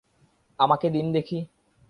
আমাকে দিন দেখি।